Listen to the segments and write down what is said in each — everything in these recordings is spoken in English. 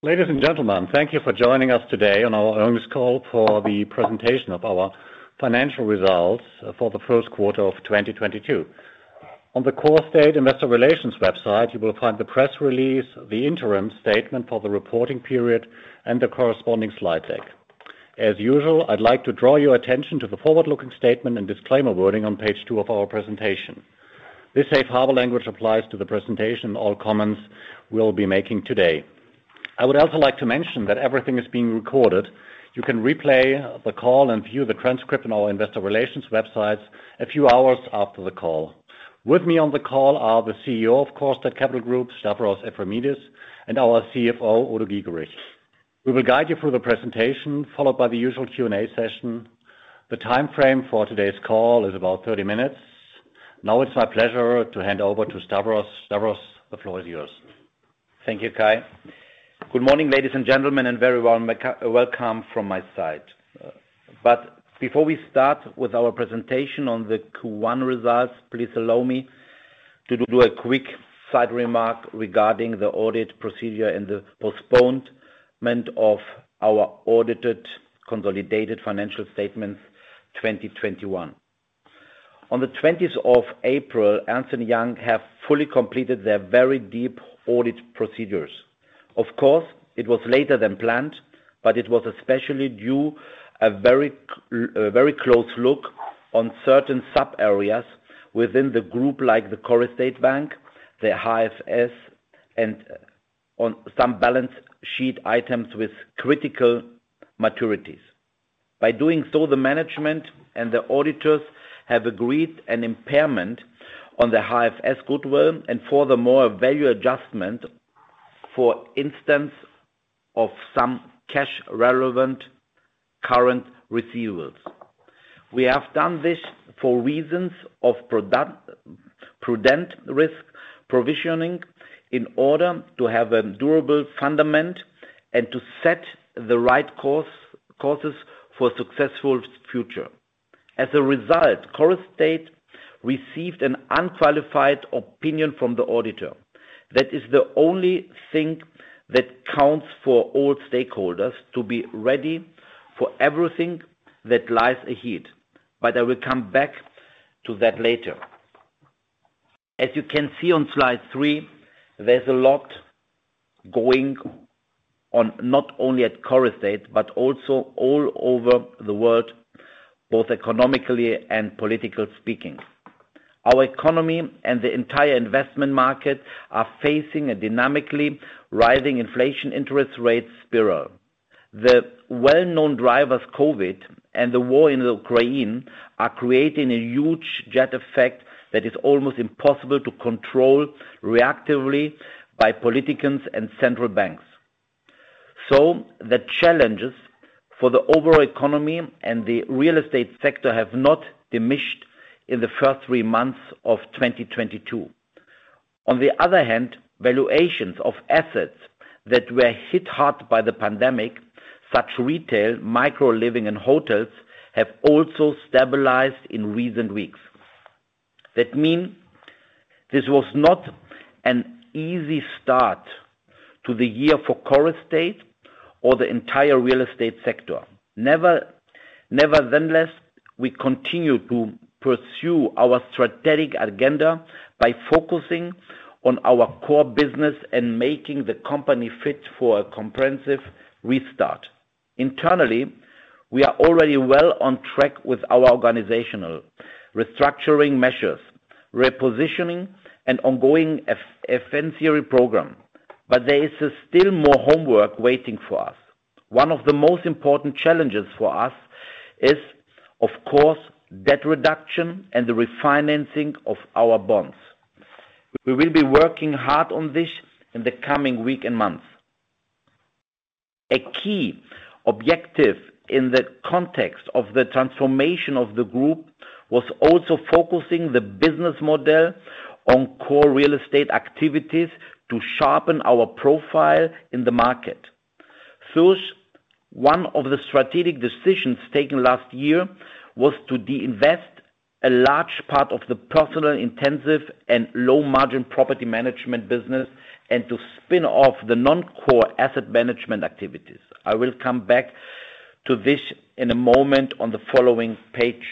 Ladies and gentlemen, thank you for joining us today on our earnings call for the presentation of our financial results for the first quarter of 2022. On the Corestate Investor Relations website, you will find the press release, the interim statement for the reporting period, and the corresponding slide deck. As usual, I'd like to draw your attention to the forward-looking statement and disclaimer wording on page two of our presentation. This safe harbor language applies to the presentation and all comments we'll be making today. I would also like to mention that everything is being recorded. You can replay the call and view the transcript on our Investor Relations website a few hours after the call. With me on the call are the CEO of Corestate Capital Group, Stavros Efremidis, and our CFO, Udo Giegerich. We will guide you through the presentation, followed by the usual Q&A session. The timeframe for today's call is about 30 minutes. Now it's my pleasure to hand over to Stavros. Stavros, the floor is yours. Thank you, Kai. Good morning, ladies and gentlemen, and very warm welcome from my side. Before we start with our presentation on the Q1 results, please allow me to do a quick side remark regarding the audit procedure and the postponement of our audited consolidated financial statements 2021. On the twentieth of April, Ernst & Young have fully completed their very deep audit procedures. Of course, it was later than planned, but it was especially due a very close look on certain sub-areas within the group, like the Corestate Bank, the HFS, and on some balance sheet items with critical maturities. By doing so, the management and the auditors have agreed an impairment on the HFS goodwill and furthermore, a value adjustment, for instance, of some cash-relevant current receivables. We have done this for reasons of prudent risk provisioning in order to have a durable fundament and to set the right course, courses for successful future. As a result, Corestate received an unqualified opinion from the auditor. That is the only thing that counts for all stakeholders to be ready for everything that lies ahead. I will come back to that later. As you can see on slide three, there's a lot going on not only at Corestate but also all over the world, both economically and politically speaking. Our economy and the entire investment market are facing a dynamically rising inflation interest rate spiral. The well-known drivers, COVID and the war in Ukraine, are creating a huge jet effect that is almost impossible to control reactively by politicians and central banks. The challenges for the overall economy and the real estate sector have not diminished in the first three months of 2022. On the other hand, valuations of assets that were hit hard by the pandemic, such as retail, micro living, and hotels, have also stabilized in recent weeks. That means this was not an easy start to the year for Corestate or the entire real estate sector. Nevertheless, we continue to pursue our strategic agenda by focusing on our core business and making the company fit for a comprehensive restart. Internally, we are already well on track with our organizational restructuring measures, repositioning and ongoing refinancing program. There is still more homework waiting for us. One of the most important challenges for us is, of course, debt reduction and the refinancing of our bonds. We will be working hard on this in the coming week and months. A key objective in the context of the transformation of the group was also focusing the business model on core real estate activities to sharpen our profile in the market. One of the strategic decisions taken last year was to deinvest a large part of the personnel intensive and low margin property management business and to spin off the non-core asset management activities. I will come back to this in a moment on the following page.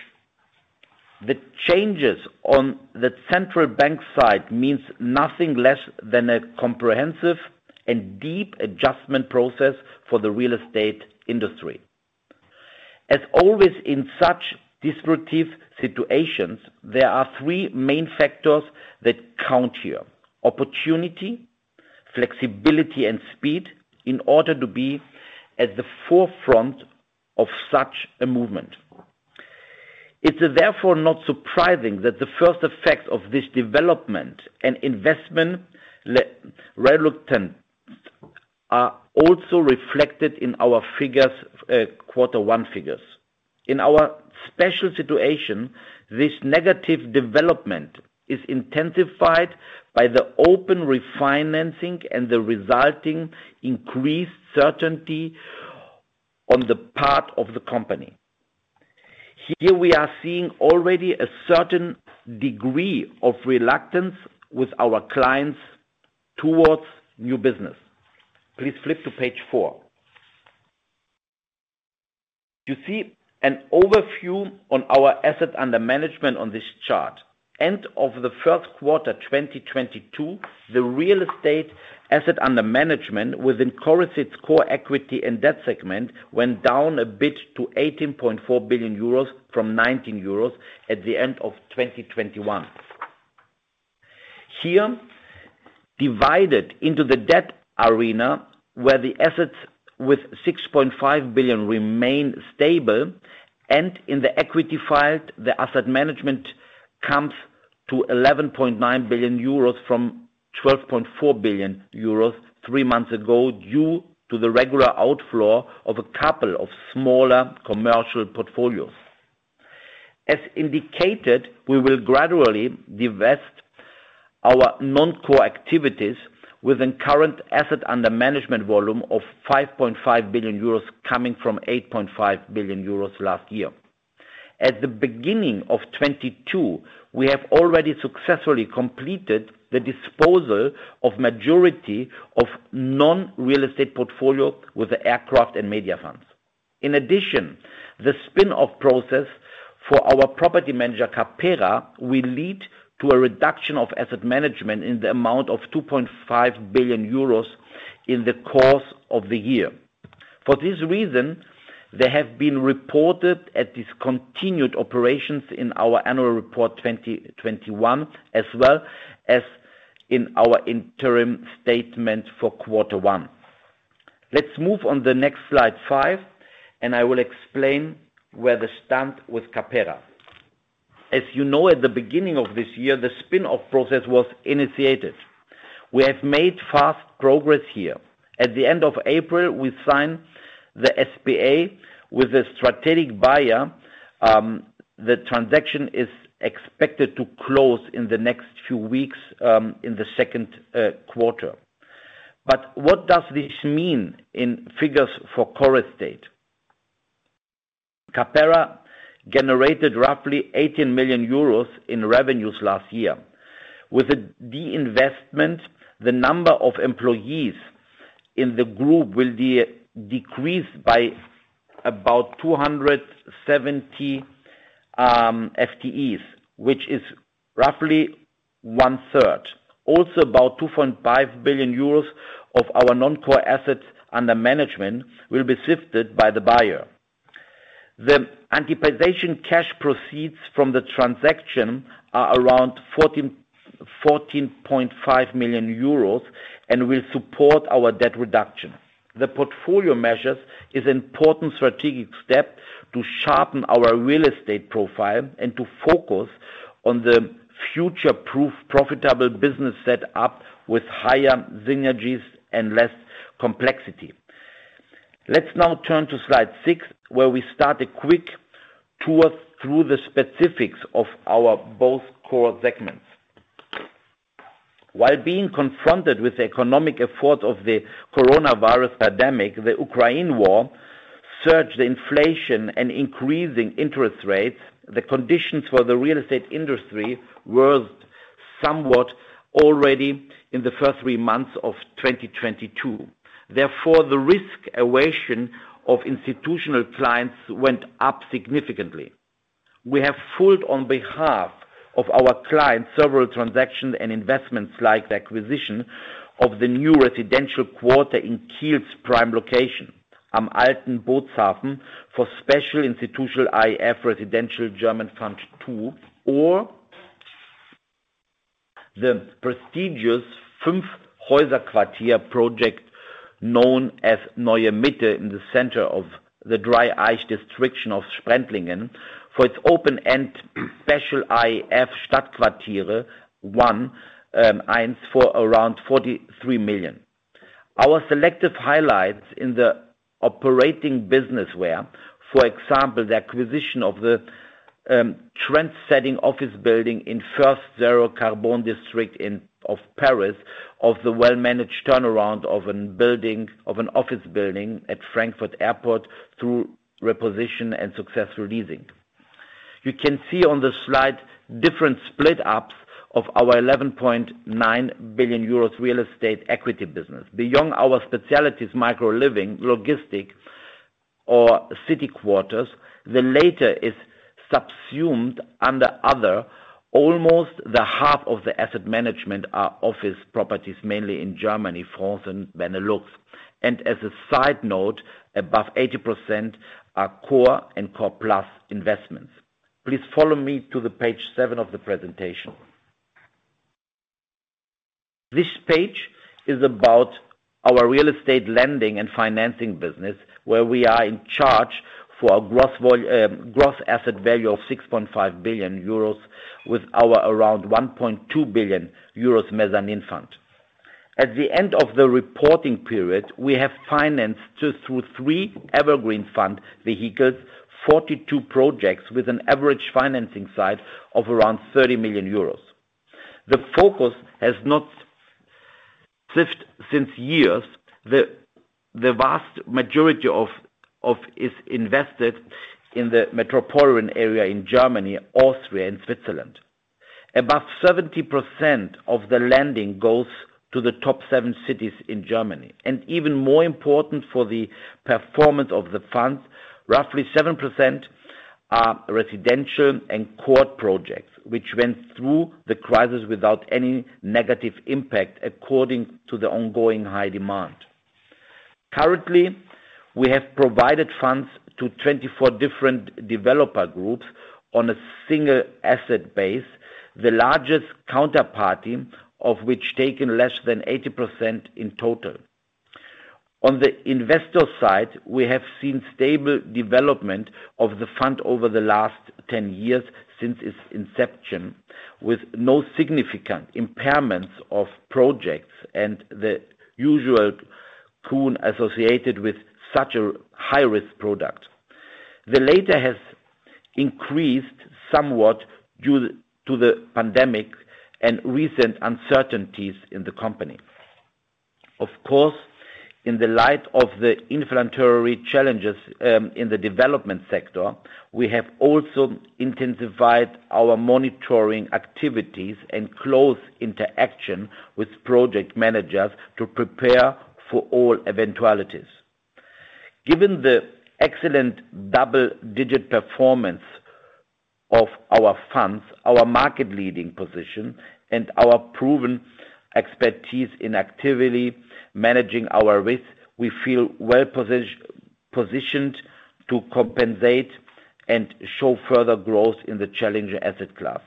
The changes on the central bank side means nothing less than a comprehensive and deep adjustment process for the real estate industry. As always, in such disruptive situations, there are three main factors that count here, opportunity, flexibility, and speed in order to be at the forefront of such a movement. It's therefore not surprising that the first effect of this development and investment reluctance are also reflected in our figures, quarter one figures. In our special situation, this negative development is intensified by the open refinancing and the resulting increased certainty on the part of the company. Here we are seeing already a certain degree of reluctance with our clients towards new business. Please flip to page four. You see an overview on our assets under management on this chart. End of the first quarter, 2022, the real estate assets under management within Corestate core equity and debt segment went down a bit to 18.4 billion euros from 19 billion euros at the end of 2021. Here, divided into the debt area, where the assets with 6.5 billion remain stable and in the equity field, assets under management come to 11.9 billion euros from 12.4 billion euros three months ago, due to the regular outflow of a couple of smaller commercial portfolios. As indicated, we will gradually divest our non-core activities with a current assets under management volume of 5.5 billion euros coming from 8.5 billion euros last year. At the beginning of 2022, we have already successfully completed the disposal of majority of non-real estate portfolio with the aircraft and media funds. In addition, the spin-off process for our property manager, CAPERA, will lead to a reduction of asset management in the amount of 2.5 billion euros in the course of the year. For this reason, they have been reported at discontinued operations in our annual report 2021, as well as in our interim statement for quarter one. Let's move on the next slide, five, and I will explain where we stand with CAPERA. As you know, at the beginning of this year, the spin-off process was initiated. We have made fast progress here. At the end of April, we signed the SPA with a strategic buyer. The transaction is expected to close in the next few weeks, in the second quarter. What does this mean in figures for Corestate? CAPERA generated roughly 18 million euros in revenues last year. With the divestment, the number of employees in the group will decrease by about 270 FTEs, which is roughly 1/3. About 2.5 billion euros of our non-core assets under management will be sifted by the buyer. The anticipated cash proceeds from the transaction are around 14.5 million euros and will support our debt reduction. The portfolio measure is important strategic step to sharpen our real estate profile and to focus on the future-proof profitable business set up with higher synergies and less complexity. Let's now turn to slide six, where we start a quick tour through the specifics of our both core segments. While being confronted with the economic effects of the coronavirus pandemic, the Ukraine war, surging inflation and increasing interest rates. The conditions for the real estate industry worsened somewhat already in the first three months of 2022. Therefore, the risk aversion of institutional clients went up significantly. We have pulled on behalf of our clients several transactions and investments like the acquisition of the new residential quarter in Kiel's prime location, Am Alten Bootshafen for Residential Germany Fund II or the prestigious Fünf-Häuser-Quartier project known as Neue Mitte in the center of the Dreieich district of Sprendlingen for its open-end special AIF Stadtquartiere I for around 43 million. Our selective highlights in the operating business were, for example, the acquisition of the trendsetting office building in first zero carbon district of Paris, of the well-managed turnaround of an office building at Frankfurt Airport through reposition and successful leasing. You can see on the slide different split ups of our 11.9 billion euros real estate equity business. Beyond our specialties, micro living, logistic or city quarters, the latter is subsumed under other. Almost the half of the asset management are office properties, mainly in Germany, France, and Benelux. As a side note, above 80% are core and core plus investments. Please follow me to page seven of the presentation. This page is about our real estate lending and financing business, where we are in charge for a gross asset value of 6.5 billion euros with our around 1.2 billion euros mezzanine fund. At the end of the reporting period, we have financed just through three evergreen fund vehicles, 42 projects with an average financing size of around 30 million euros. Since years, the vast majority of it is invested in the metropolitan area in Germany, Austria, and Switzerland. Above 70% of the lending goes to the top seven cities in Germany. Even more important for the performance of the funds, roughly 7% are residential and core projects, which went through the crisis without any negative impact according to the ongoing high demand. Currently, we have provided funds to 24 different developer groups on a single asset base, the largest counterparty of which taken less than 80% in total. On the investor side, we have seen stable development of the fund over the last 10 years since its inception, with no significant impairments of projects and the usual coupon associated with such a high risk product. The latter has increased somewhat due to the pandemic and recent uncertainties in the company. Of course, in the light of the inflationary challenges, in the development sector, we have also intensified our monitoring activities and close interaction with project managers to prepare for all eventualities. Given the excellent double digit performance of our funds, our market leading position, and our proven expertise in actively managing our risk, we feel well positioned to compensate and show further growth in the challenging asset class.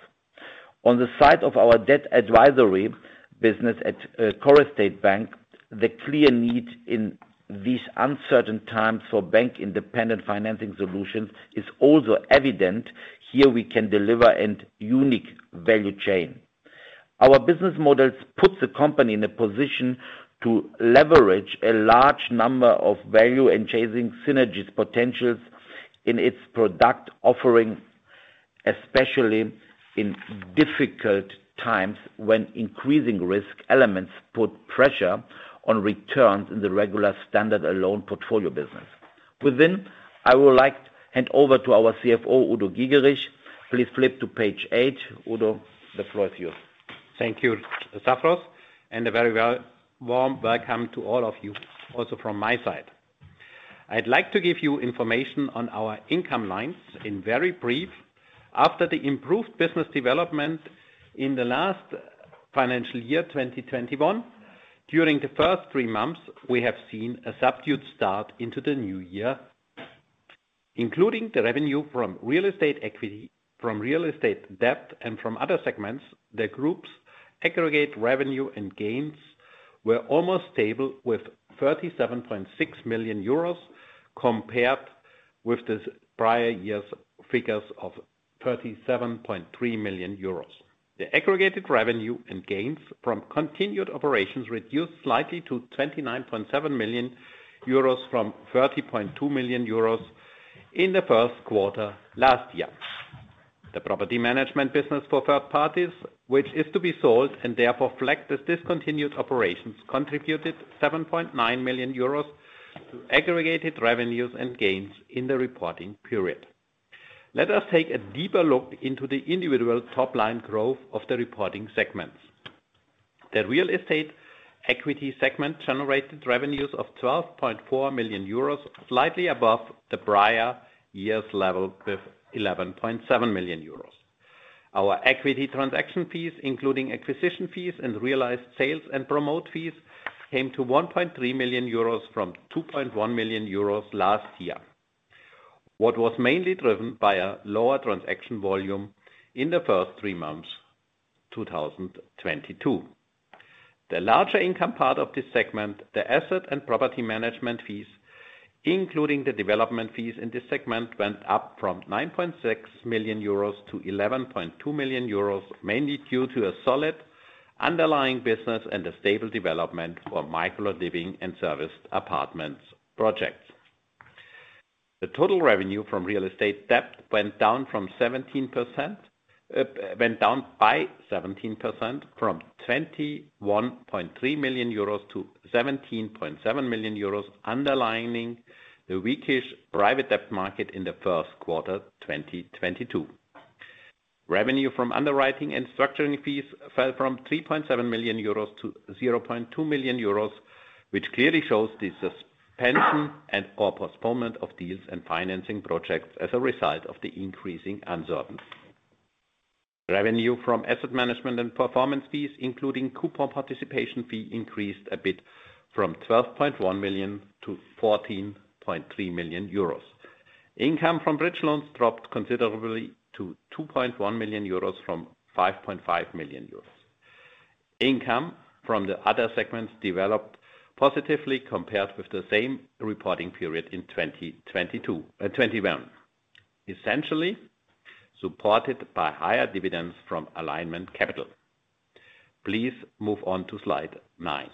On the side of our debt advisory business at Corestate Bank, the clear need in these uncertain times for bank-independent financing solutions is also evident. Here we can deliver a unique value chain. Our business models puts the company in a position to leverage a large number of value and chasing synergies potentials in its product offering, especially in difficult times when increasing risk elements put pressure on returns in the regular standalone portfolio business. With that, I would like to hand over to our CFO, Udo Giegerich. Please flip to page eight. Udo, the floor is yours. Thank you, Stavros Efremidis, and a very warm welcome to all of you also from my side. I'd like to give you information on our income lines very briefly. After the improved business development in the last financial year, 2021, during the first three months, we have seen a subdued start into the new year. Including the revenue from real estate equity, from real estate debt, and from other segments, the group's aggregate revenue and gains were almost stable with 37.6 million euros compared with the prior year's figures of 37.3 million euros. The aggregated revenue and gains from continued operations reduced slightly to 29.7 million euros from 30.2 million euros in the first quarter last year. The property management business for third parties, which is to be sold and therefore flagged as discontinued operations, contributed 7.9 million euros to aggregated revenues and gains in the reporting period. Let us take a deeper look into the individual top line growth of the reporting segments. The real estate equity segment generated revenues of 12.4 million euros, slightly above the prior year's level with 11.7 million euros. Our equity transaction fees, including acquisition fees and realized sales and promote fees, came to 1.3 million euros from 2.1 million euros last year. Which was mainly driven by a lower transaction volume in the first three months, 2022. The larger income part of this segment, the asset and property management fees, including the development fees in this segment, went up from 9.6 million-11.2 million euros, mainly due to a solid underlying business and a stable development for micro-living and serviced apartments projects. The total revenue from real estate debt went down by 17% from 21.3 million-17.7 million euros, underlining the weakest private debt market in the first quarter 2022. Revenue from underwriting and structuring fees fell from 3.7 million-0.2 million euros, which clearly shows the suspension and/or postponement of deals and financing projects as a result of the increasing uncertainty. Revenue from asset management and performance fees, including coupon participation fee, increased a bit from 12.1 million-14.3 million euros. Income from bridge loans dropped considerably to 2.1 million euros from 5.5 million euros. Income from the other segments developed positively compared with the same reporting period in 2021, essentially supported by higher dividends from alignment capital. Please move on to slide nine.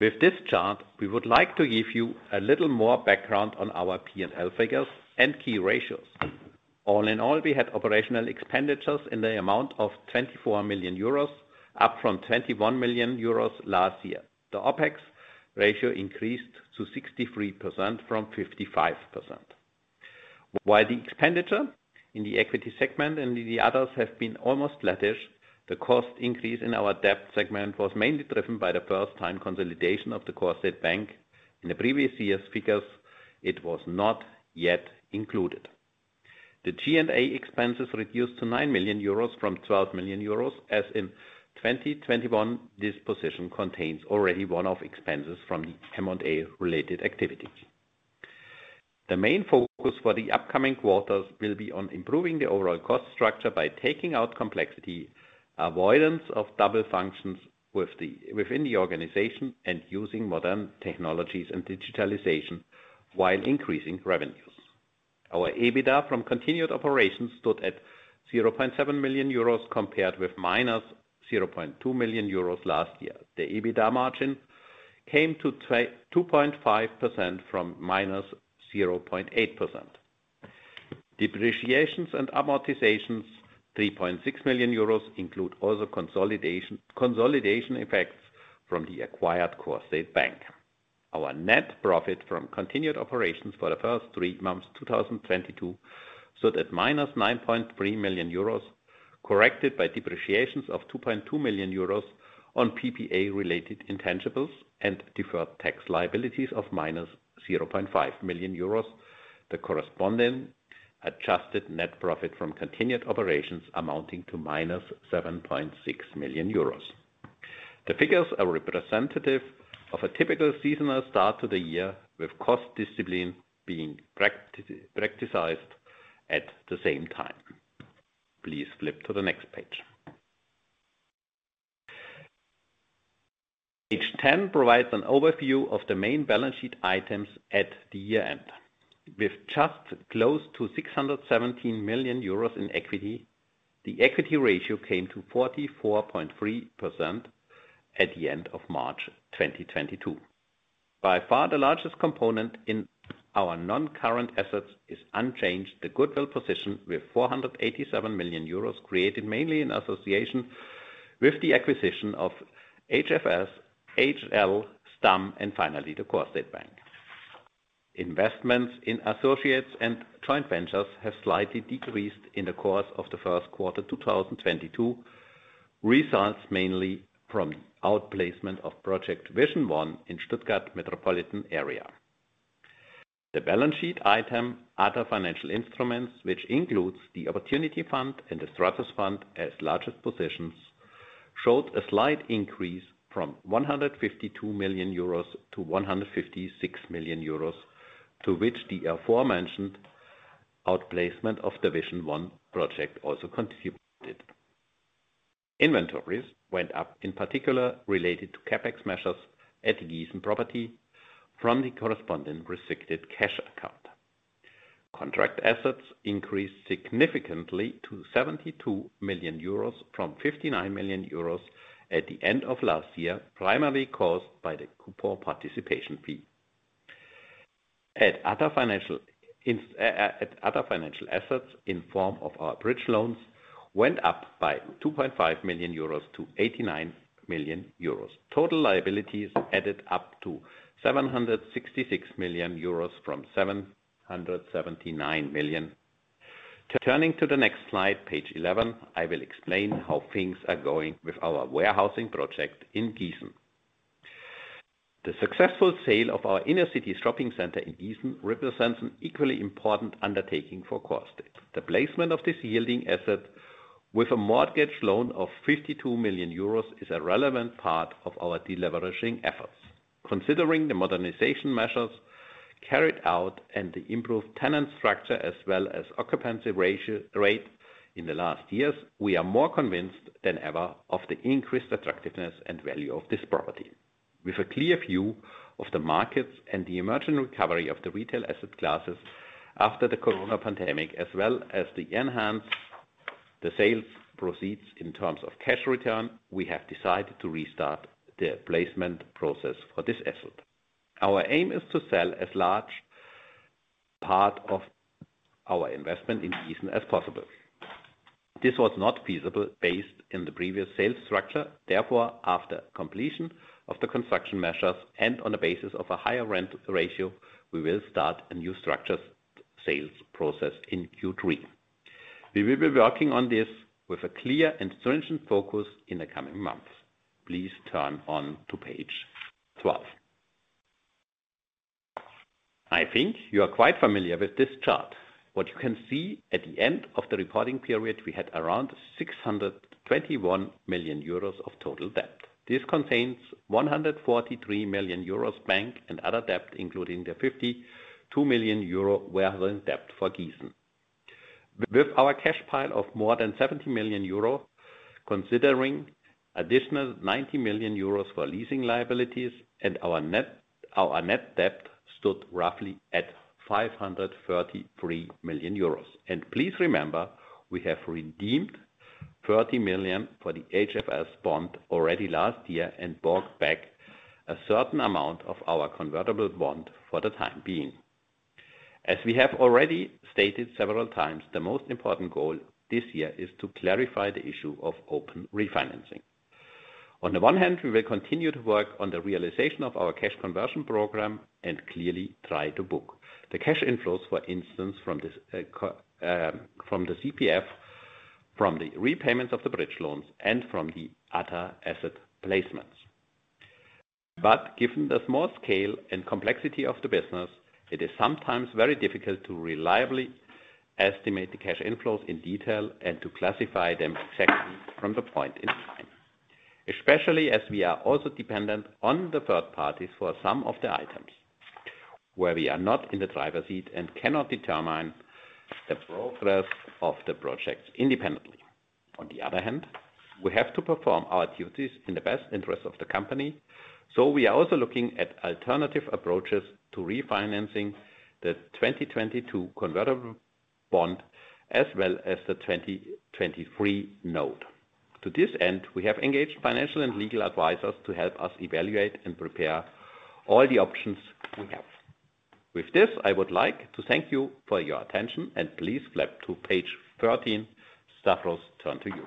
With this chart, we would like to give you a little more background on our P&L figures and key ratios. All in all, we had operational expenditures in the amount of 24 million euros, up from 21 million euros last year. The OpEx ratio increased to 63% from 55%. While the expenditure in the equity segment and the others have been almost flattish, the cost increase in our debt segment was mainly driven by the first-time consolidation of the Corestate Bank. In the previous years' figures, it was not yet included. The G&A expenses reduced to 9 million euros from 12 million euros. As in 2021, this position contains already one-off expenses from the M&A related activities. The main focus for the upcoming quarters will be on improving the overall cost structure by taking out complexity, avoidance of double functions within the organization, and using modern technologies and digitalization while increasing revenues. Our EBITDA from continued operations stood at 0.7 million euros compared with -0.2 million euros last year. The EBITDA margin came to 2.5% from -0.8%. Depreciations and amortizations, 3.6 million euros, include also consolidation effects from the acquired Corestate Bank. Our net profit from continued operations for the first three months of 2022 stood at -9.3 million euros, corrected by depreciations of 2.2 million euros on PPA related intangibles and deferred tax liabilities of -0.5 million euros. The corresponding adjusted net profit from continued operations amounting to -7.6 million euros. The figures are representative of a typical seasonal start to the year, with cost discipline being practiced at the same time. Please flip to the next page. Page ten provides an overview of the main balance sheet items at the year-end. With just close to 617 million euros in equity, the equity ratio came to 44.3% at the end of March 2022. By far, the largest component in our non-current assets is unchanged. The goodwill position with 487 million euros created mainly in association with the acquisition of HFS, HL, STAM and finally the Corestate Bank. Investments in associates and joint ventures have slightly decreased in the course of Q1 2022, results mainly from outplacement of project VISION ONE in Stuttgart metropolitan area. The balance sheet item, other financial instruments, which includes the opportunity fund and the Stratos Fund as largest positions, showed a slight increase from 152 million-156 million euros, to which the aforementioned outplacement of the VISION ONE project also contributed. Inventories went up, in particular related to CapEx measures at Gießen property from the corresponding restricted cash account. Contract assets increased significantly to 72 million euros from 59 million euros at the end of last year, primarily caused by the coupon participation fee. At other financial assets in form of our bridge loans went up by 2.5 million-89 million euros. Total liabilities added up to 766 million euros from 779 million. Turning to the next slide, page 11, I will explain how things are going with our warehousing project in Gießen. The successful sale of our inner city shopping center in Gießen represents an equally important undertaking for Corestate. The placement of this yielding asset with a mortgage loan of 52 million euros is a relevant part of our deleveraging efforts. Considering the modernization measures carried out and the improved tenant structure as well as occupancy ratio rate in the last years, we are more convinced than ever of the increased attractiveness and value of this property. With a clear view of the markets and the emerging recovery of the retail asset classes after the corona pandemic, as well as the enhanced sales proceeds in terms of cash return, we have decided to restart the placement process for this asset. Our aim is to sell as large part of our investment in Gießen as possible. This was not feasible based in the previous sales structure. Therefore, after completion of the construction measures and on the basis of a higher rent ratio, we will start a new structured sales process in Q3. We will be working on this with a clear and stringent focus in the coming months. Please turn on to page 12. I think you are quite familiar with this chart. What you can see at the end of the reporting period, we had around 621 million euros of total debt. This contains 143 million euros bank and other debt, including the 52 million euro warehousing debt for Gießen. With our cash pile of more than 70 million euro, considering additional 90 million euros for leasing liabilities and our net debt stood roughly at 533 million euros. Please remember, we have redeemed 30 million for the HFS bond already last year and bought back a certain amount of our convertible bond for the time being. As we have already stated several times, the most important goal this year is to clarify the issue of open refinancing. On the one hand, we will continue to work on the realization of our cash conversion program and clearly try to book the cash inflows, for instance, from the CPF, from the repayments of the bridge loans, and from the other asset placements. Given the small scale and complexity of the business, it is sometimes very difficult to reliably estimate the cash inflows in detail and to classify them exactly from the point in time. Especially as we are also dependent on the third parties for some of the items where we are not in the driver's seat and cannot determine the progress of the project independently. On the other hand, we have to perform our duties in the best interest of the company. We are also looking at alternative approaches to refinancing the 2022 convertible bond as well as the 2023 note. To this end, we have engaged financial and legal advisors to help us evaluate and prepare all the options we have. With this, I would like to thank you for your attention and please flip to page 13. Stavros, turn to you.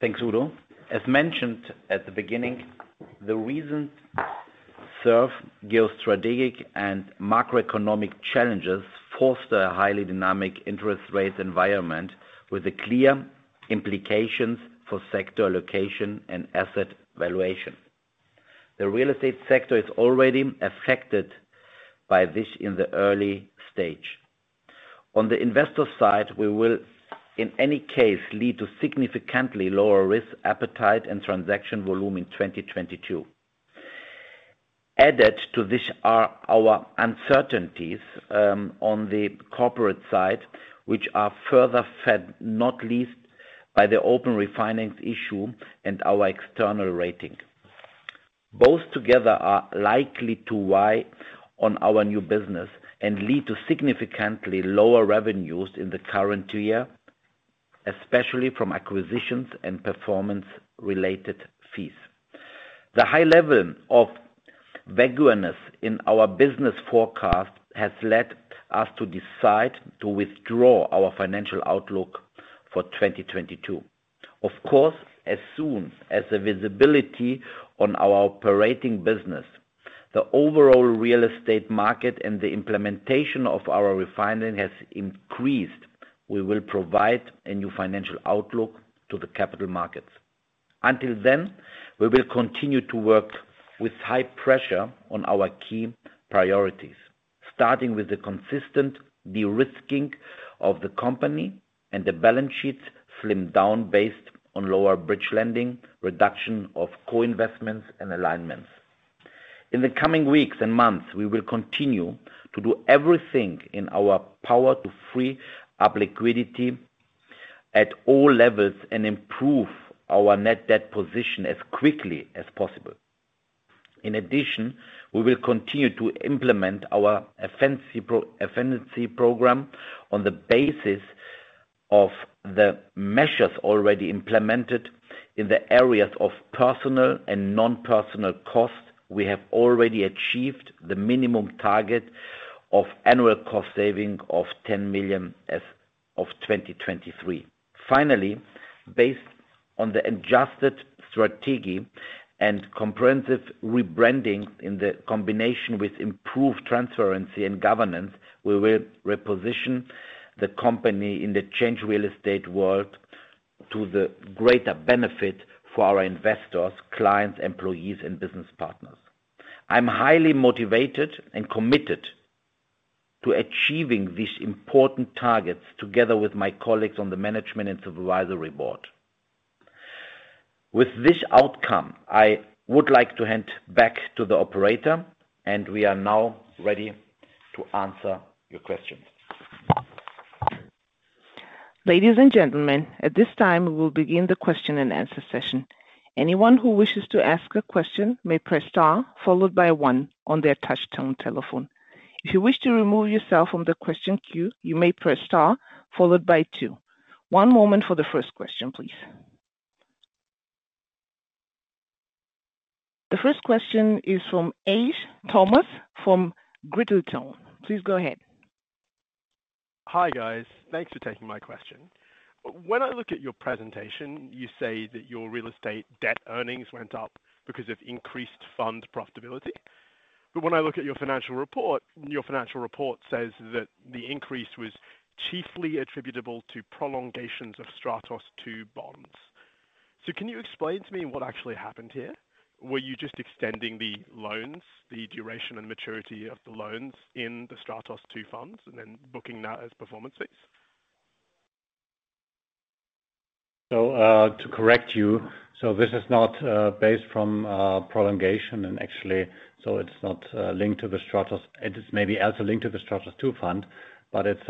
Thanks, Udo. As mentioned at the beginning, the reasons for severe geo-strategic and macroeconomic challenges forced a highly dynamic interest rate environment with clear implications for sector allocation and asset valuation. The real estate sector is already affected by this in the early stage. On the investor side, this will in any case lead to significantly lower risk appetite and transaction volume in 2022. Added to this are our uncertainties on the corporate side, which are further fueled, not least by the open refinance issue and our external rating. Both together are likely to weigh on our new business and lead to significantly lower revenues in the current year, especially from acquisitions and performance-related fees. The high level of vagueness in our business forecast has led us to decide to withdraw our financial outlook for 2022. Of course, as soon as the visibility on our operating business, the overall real estate market, and the implementation of our refinancing has increased, we will provide a new financial outlook to the capital markets. Until then, we will continue to work with high pressure on our key priorities, starting with the consistent de-risking of the company and the balance sheets slimmed down based on lower bridge lending, reduction of co-investments and alignments. In the coming weeks and months, we will continue to do everything in our power to free up liquidity at all levels and improve our net debt position as quickly as possible. In addition, we will continue to implement our efficiency program on the basis of the measures already implemented in the areas of personnel and non-personnel costs. We have already achieved the minimum target of annual cost saving of 10 million as of 2023. Finally, based on the adjusted strategy and comprehensive rebranding in combination with improved transparency and governance, we will reposition the company in the changing real estate world to the greater benefit for our investors, clients, employees, and business partners. I'm highly motivated and committed to achieving these important targets together with my colleagues on the management and supervisory board. With this outcome, I would like to hand back to the operator, and we are now ready to answer your questions. Ladies and gentlemen, at this time, we will begin the question and answer session. Anyone who wishes to ask a question may press star followed by one on their touch-tone telephone. If you wish to remove yourself from the question queue, you may press star followed by two. One moment for the first question, please. The first question is from Ace Thomas from Gritstone. Please go ahead. Hi, guys. Thanks for taking my question. When I look at your presentation, you say that your real estate debt earnings went up because of increased fund profitability. When I look at your financial report, your financial report says that the increase was chiefly attributable to prolongations of Stratos II bonds. Can you explain to me what actually happened here? Were you just extending the loans, the duration and maturity of the loans in the Stratos II funds and then booking that as performance fees? To correct you, this is not based on prolongation. Actually, it's not linked to the Stratos. It is maybe also linked to the Stratos II fund, but it's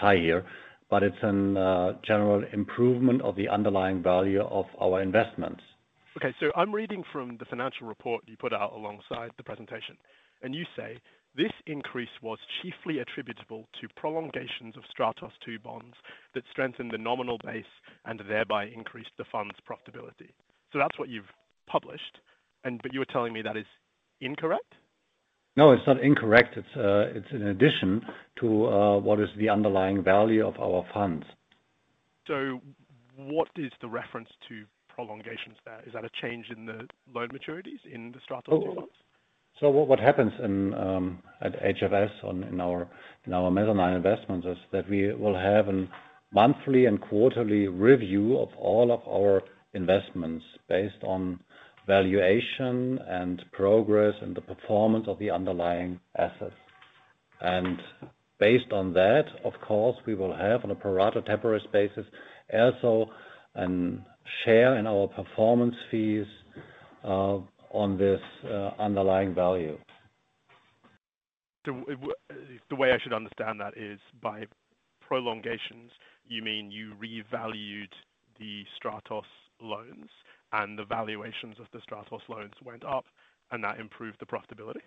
higher, but it's a general improvement of the underlying value of our investments. Okay. I'm reading from the financial report you put out alongside the presentation, and you say, "This increase was chiefly attributable to prolongations of Stratos II bonds that strengthened the nominal base and thereby increased the fund's profitability." That's what you've published but you were telling me that is incorrect. No, it's not incorrect. It's an addition to what is the underlying value of our funds. What is the reference to prolongations there? Is that a change in the loan maturities in the Stratos II bonds? What happens at HFS in our mezzanine investments is that we will have a monthly and quarterly review of all of our investments based on valuation and progress and the performance of the underlying assets. Based on that, of course, we will have on a pro rata temporary basis, also a share in our performance fees, on this underlying value. The way I should understand that is by prolongations, you mean you revalued the Stratos loans and the valuations of the Stratos loans went up, and that improved the profitability?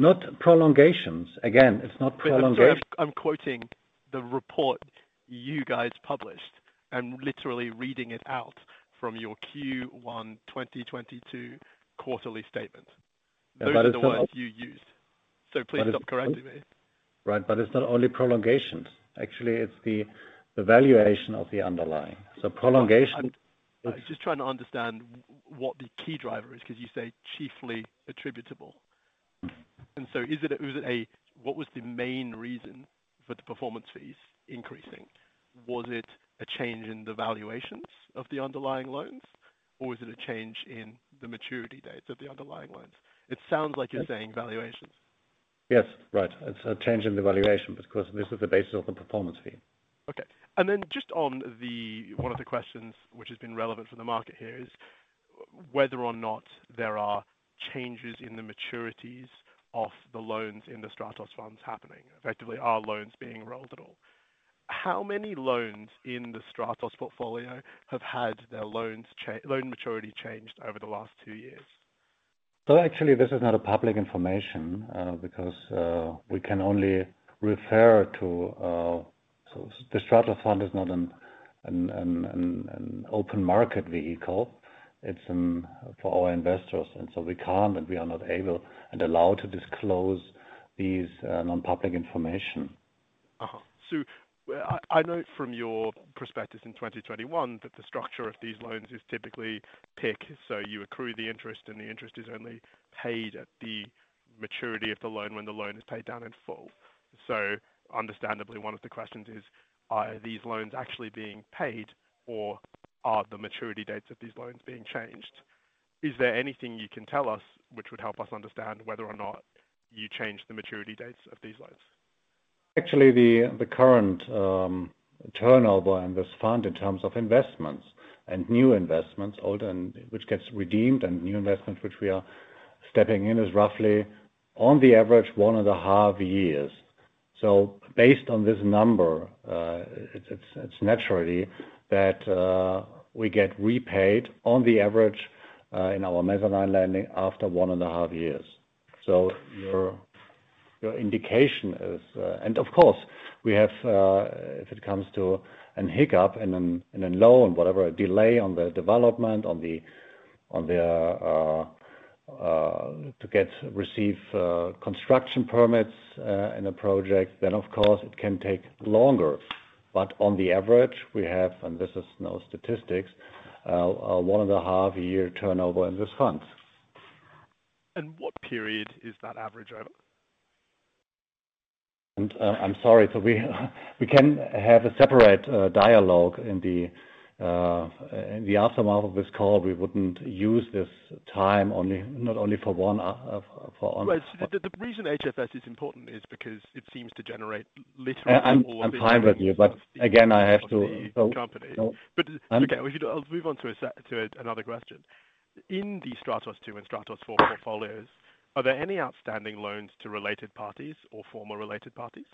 Not prolongations. Again, it's not prolongation. Sir, I'm quoting the report you guys published. I'm literally reading it out from your Q1 2022 quarterly statement. Yeah, it's not. Those are the words you used. Please stop correcting me. Right, it's not only prolongations. Actually, it's the evaluation of the underlying. I'm just trying to understand what the key driver is 'cause you say chiefly attributable. Mm-hmm. What was the main reason for the performance fees increasing? Was it a change in the valuations of the underlying loans, or was it a change in the maturity dates of the underlying loans? It sounds like you're saying valuations. Yes. Right. It's a change in the valuation because this is the basis of the performance fee. Then just on the one of the questions which has been relevant for the market here is whether or not there are changes in the maturities of the loans in the Stratos funds happening. Effectively, are loans being rolled at all? How many loans in the Stratos portfolio have had their loan maturity changed over the last two years? Actually, this is not public information because we can only refer to. The Stratos Fund is not an open market vehicle. It's for our investors, and so we can't, and we are not able and allowed to disclose these non-public information. I note from your prospectus in 2021 that the structure of these loans is typically PIK, so you accrue the interest, and the interest is only paid at the maturity of the loan when the loan is paid down in full. Understandably, one of the questions is, are these loans actually being paid, or are the maturity dates of these loans being changed? Is there anything you can tell us which would help us understand whether or not you changed the maturity dates of these loans? Actually, the current turnover in this fund in terms of investments and new investments which gets redeemed, and new investments which we are stepping in is roughly on the average one and a half years. Based on this number, it's natural that we get repaid on the average in our mezzanine lending after one and a half years. Your indication is. Of course, we have if it comes to a hiccup in a loan, whatever, a delay on the development on their to receive construction permits in a project, then of course it can take longer. On the average, we have, and this is no statistics, a one and a half year turnover in this fund. What period is that average over? I'm sorry. We can have a separate dialogue in the aftermath of this call. We wouldn't use this time only, not only for one Right. The reason HFS is important is because it seems to generate literally. I'm fine with you, but again, I have to. Of the company. No. Okay. I'll move on to another question. In the Stratos II and Stratos IV portfolios, are there any outstanding loans to related parties or former related parties?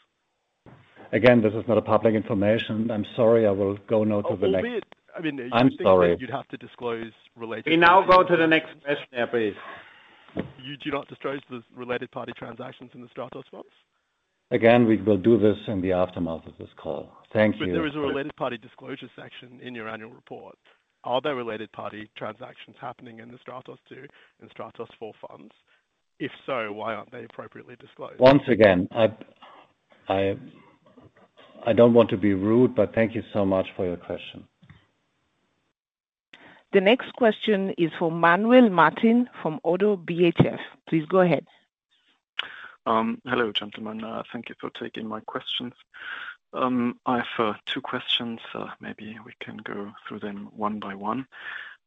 Again, this is not a public information. I'm sorry. I will go now to the next. Albeit, I mean. I'm sorry. You'd think that you'd have to disclose related. We now go to the next question now, please. You do not disclose the related party transactions in the Stratos funds? Again, we will do this in the aftermath of this call. Thank you. There is a related party disclosure section in your annual report. Are there related party transactions happening in the Stratos II and Stratos IV funds? If so, why aren't they appropriately disclosed? Once again, I don't want to be rude, but thank you so much for your question. The next question is from Manuel Martin from Oddo BHF. Please go ahead. Hello, gentlemen. Thank you for taking my questions. I have two questions. Maybe we can go through them one by one.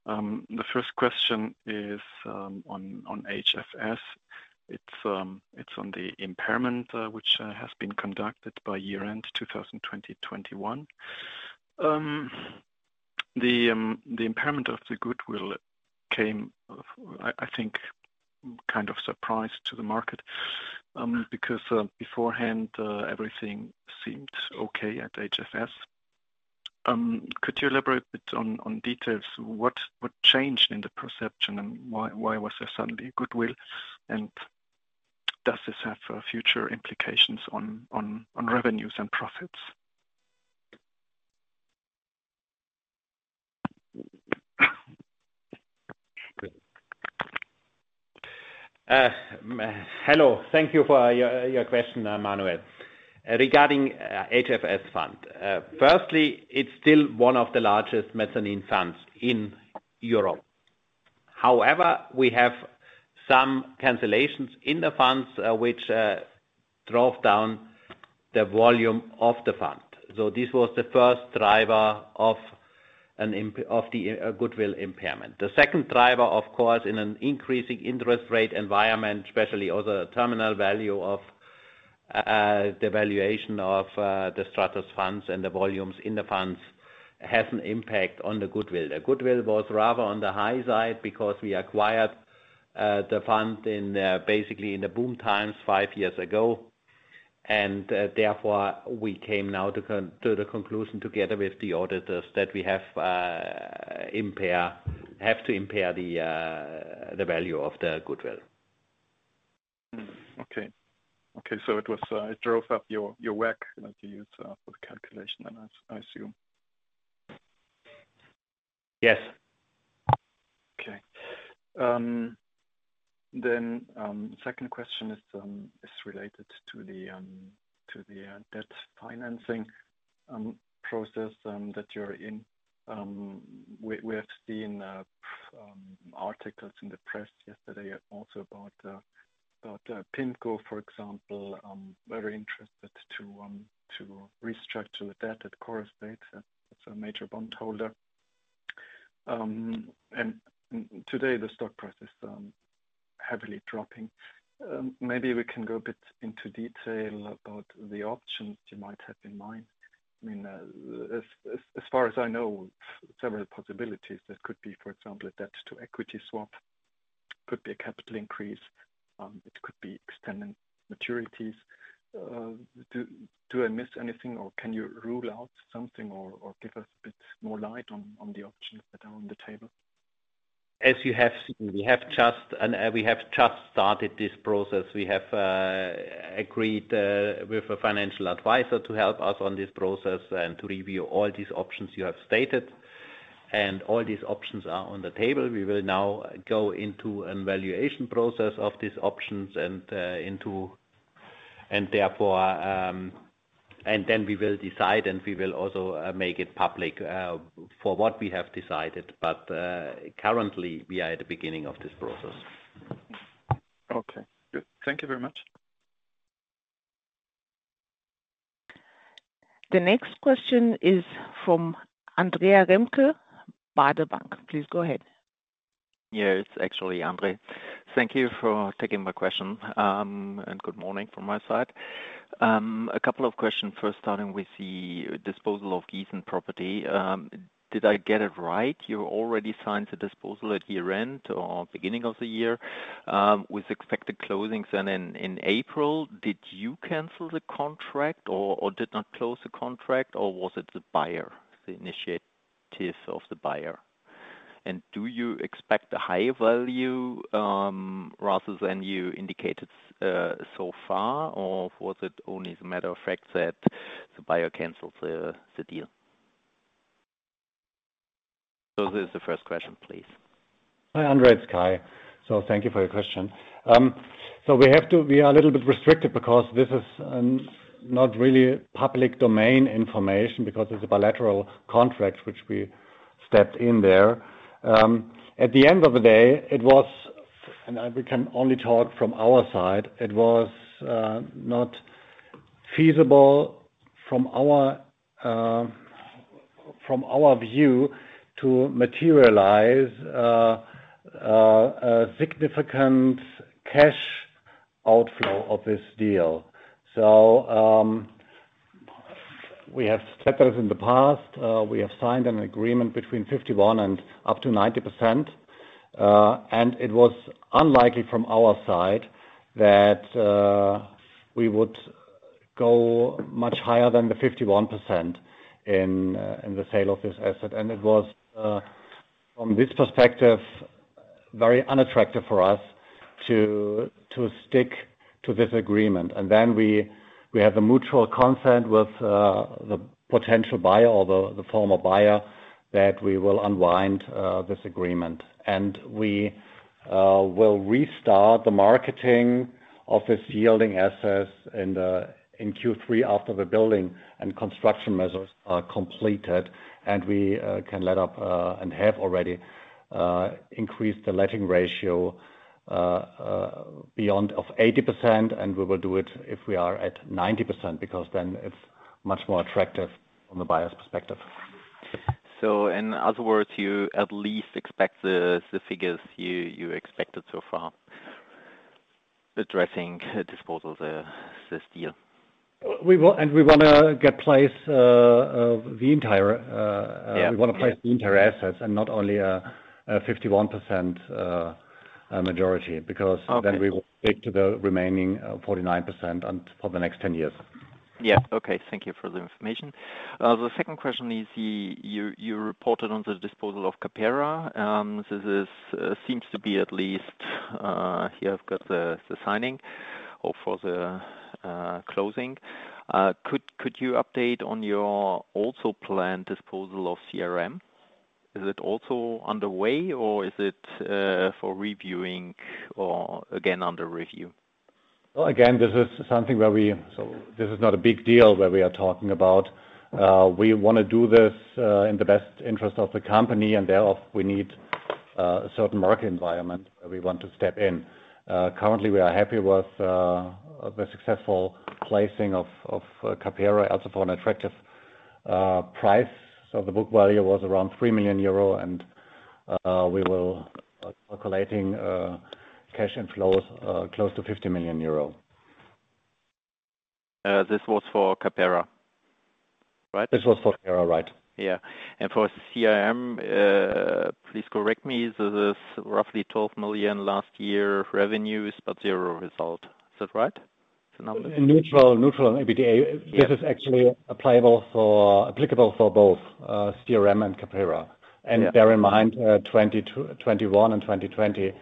The first question is on HFS. It's on the impairment which has been conducted by year-end 2021. The impairment of the goodwill came, I think kind of surprise to the market. Beforehand everything seemed okay at HFS. Could you elaborate a bit on details what changed in the perception and why was there suddenly goodwill? Does this have future implications on revenues and profits? Hello. Thank you for your question, Manuel. Regarding HFS fund. Firstly, it's still one of the largest mezzanine funds in Europe. However, we have some cancellations in the funds, which drove down the volume of the fund. This was the first driver of the goodwill impairment. The second driver, of course, in an increasing interest rate environment especially, or the terminal value of the valuation of the Stratos funds and the volumes in the funds, has an impact on the goodwill. The goodwill was rather on the high side because we acquired the fund basically in the boom times five years ago. Therefore we came now to the conclusion together with the auditors that we have to impair the value of the goodwill. Okay. It drove up your WACC, you know, to use for the calculation, then I assume. Yes. Okay. Second question is related to the debt financing process that you're in. We have seen articles in the press yesterday also about PIMCO for example very interested to restructure the debt at Corestate as a major bond holder. And today the stock price is heavily dropping. Maybe we can go a bit into detail about the options you might have in mind. I mean, as far as I know, several possibilities that could be, for example, a debt to equity swap, could be a capital increase, it could be extending maturities. Do I miss anything or can you rule out something or give us a bit more light on the options that are on the table? As you have seen, we have just started this process. We have agreed with a financial advisor to help us on this process and to review all these options you have stated, and all these options are on the table. We will now go into a valuation process of these options and then we will decide, and we will also make it public for what we have decided. Currently, we are at the beginning of this process. Okay, good. Thank you very much. The next question is from Andre Remke, Baader Bank. Please go ahead. Yeah, it's actually Andre. Thank you for taking my question, and good morning from my side. A couple of questions. First, starting with the disposal of Gießen property. Did I get it right? You already signed the disposal at year-end or beginning of the year, with expected closings in April. Did you cancel the contract or did not close the contract, or was it the buyer, the initiatives of the buyer? And do you expect a higher value rather than you indicated so far, or was it only the matter of fact that the buyer canceled the deal? This is the first question, please. Hi, Andre Remke. It's Kai Klinger. Thank you for your question. We are a little bit restricted because this is not really public domain information because it's a bilateral contract which we stepped in there. At the end of the day, it was, and we can only talk from our side, it was not feasible from our view to materialize a significant cash outflow of this deal. We have stepped out in the past. We have signed an agreement between 51% and up to 90%, and it was unlikely from our side that we would go much higher than the 51 percent in the sale of this asset. It was from this perspective very unattractive for us to stick to this agreement. We have a mutual consent with the potential buyer or the former buyer that we will unwind this agreement. We will restart the marketing of this yielding assets in Q3 after the building and construction measures are completed. We can let up and have already increased the letting ratio beyond 80% and we will do it if we are at 90% because then it's much more attractive from the buyer's perspective. In other words, you at least expect the figures you expected so far addressing disposal this deal? We want to get the pulse of the entire. Yeah. We wanna place the entire assets and not only a 51% majority because. Okay. We will take the remaining 49% for the next 10 years. Yeah. Okay. Thank you for the information. The second question is, you reported on the disposal of CAPERA. This seems to be at least, here I've got the signing or for the closing. Could you update on your also planned disposal of CRM? Is it also underway or is it for reviewing or again under review? Well, again, this is something where we. This is not a big deal where we are talking about. We wanna do this in the best interest of the company, and therefore we need a certain market environment where we want to step in. Currently, we are happy with the successful placing of CAPERA also for an attractive price. The book value was around 3 million euro and we are calculating cash inflows close to 50 million euro. This was for CAPERA, right? This was for CAPERA, right? Yeah. For CRM, please correct me. This roughly 12 million last year revenues, but zero result. Is that right? now- Neutral on EBITDA. Yeah. This is actually applicable for both, CRM and CAPERA. Yeah. Bear in mind, 2020 to 2021 and 2020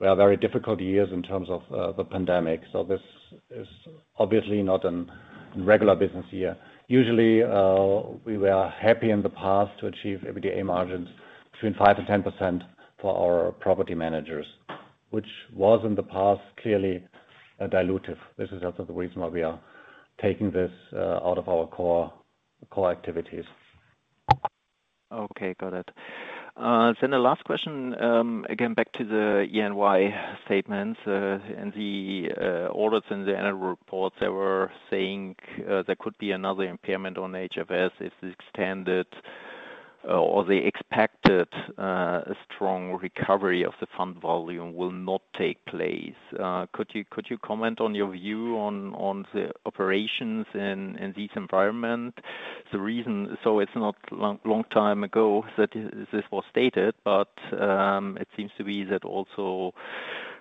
were very difficult years in terms of the pandemic. This is obviously not a regular business year. Usually, we were happy in the past to achieve EBITDA margins between 5%-10% for our property managers, which was in the past clearly a dilutive. This is also the reason why we are taking this out of our core activities. Okay. Got it. Then the last question, again, back to the EY statement, and the auditors in the annual report, they were saying there could be another impairment on HFS if the extended or the expected strong recovery of the fund volume will not take place. Could you comment on your view on the operations in this environment? It's not long time ago that this was stated, but it seems to be that also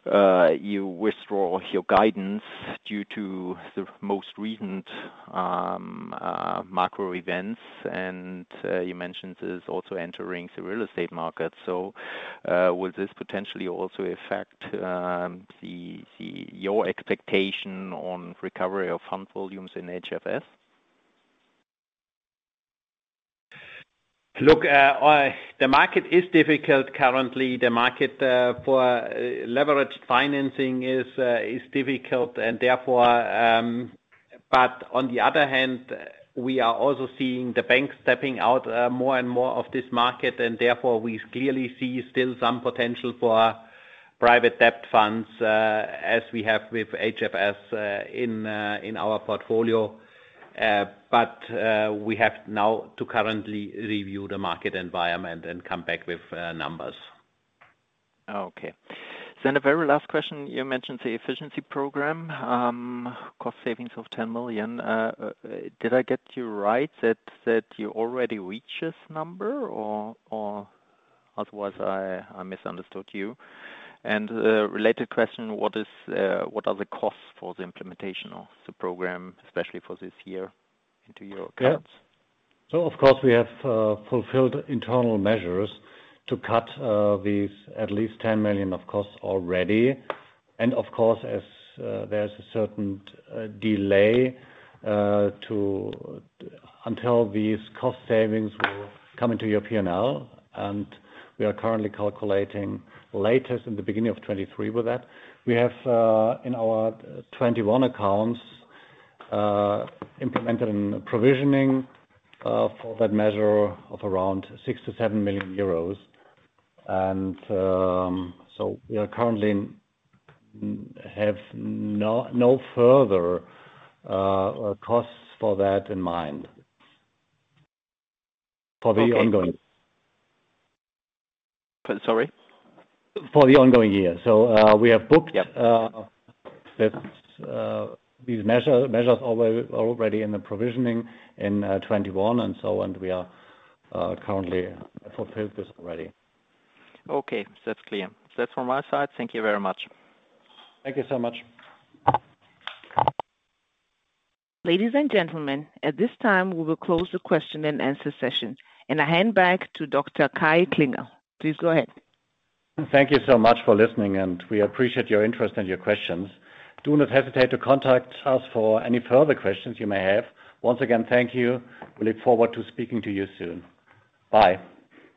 you withdraw your guidance due to the most recent macro events. You mentioned this also entering the real estate market. Will this potentially also affect your expectation on recovery of fund volumes in HFS? Look, the market is difficult currently. The market for leveraged financing is difficult and therefore on the other hand, we are also seeing the bank stepping out more and more of this market, and therefore we clearly see still some potential for private debt funds, as we have with HFS, in our portfolio. We have now to currently review the market environment and come back with numbers. The very last question, you mentioned the efficiency program, cost savings of 10 million. Did I get you right that you already reached this number or otherwise I misunderstood you? A related question, what are the costs for the implementation of the program, especially for this year into your accounts? Of course, we have fulfilled internal measures to cut these at least 10 million of costs already. Of course, as there's a certain delay until these cost savings will come into your P&L. We are currently calculating latest in the beginning of 2023 with that. We have in our 2021 accounts implemented in provisioning for that measure of around 6 million-7 million euros. We currently have no further costs for that in mind. For the ongoing- Sorry? For the ongoing year. We have booked- Yeah. These measures already in the provisioning in 2021 and so on. We are currently fulfilled this already. Okay. That's clear. That's from my side. Thank you very much. Thank you so much. Ladies and gentlemen, at this time we will close the question and answer session. I hand back to Dr. Kai Klinger. Please go ahead. Thank you so much for listening, and we appreciate your interest and your questions. Do not hesitate to contact us for any further questions you may have. Once again, thank you. We look forward to speaking to you soon. Bye.